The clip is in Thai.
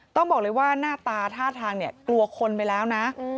ต้องบอกเลยว่าหน้าตาท่าทางเนี่ยกลัวคนไปแล้วนะ